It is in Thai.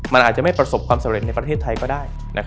มันอาจจะไม่ประสบความสำเร็จในประเทศไทยก็ได้